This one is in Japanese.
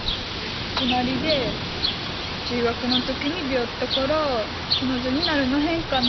隣で「中学の時に出会ったから彼女になるの変かなぁ」